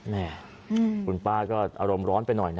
แม่คุณป้าก็อารมณ์ร้อนไปหน่อยนะ